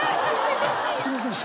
すいません。